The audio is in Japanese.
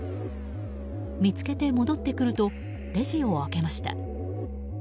見つけて戻ってくるとレジを開けました。